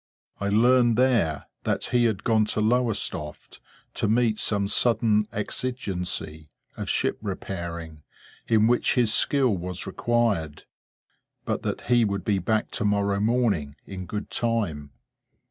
I learned, there, that he had gone to Lowestoft, to meet some sudden exigency of ship repairing in which his skill was required; but that he would be back to morrow morning, in good time.